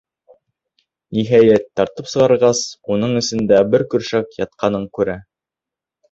Ниһайәт, тартып сығарғас, уның эсендә бер көршәк ятҡанын күрә.